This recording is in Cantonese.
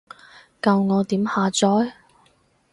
教我點下載？